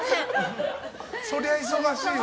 それは忙しいわ。